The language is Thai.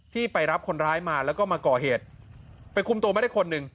ไปรับคนร้ายมาแล้วก็มาก่อเหตุไปคุมตัวมาได้คนหนึ่ง